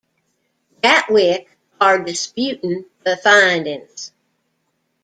Gatwick are disputing the findings.